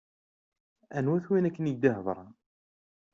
Anwa-t win akken i ak-d-iheddṛen?